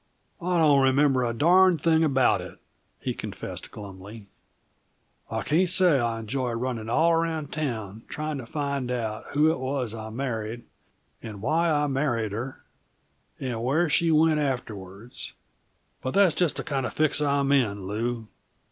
"I don't remember a darned thing about it," he confessed glumly. "I can't say I enjoy running all around town trying to find out who it was I married, and why I married her, and where she went afterwards, but that's just the kinda fix I'm in, Lew.